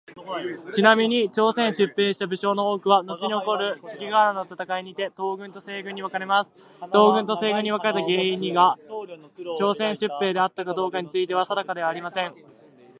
ちなみに、朝鮮へ出兵した武将の多くはのちに起こる関ヶ原の戦いにて東軍と西軍に分かれます。東軍と西軍に分かれた原因にが朝鮮出兵であったかどうかについては定かではありません。